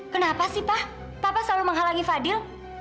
kenapa sih pak papa selalu menghalangi fadil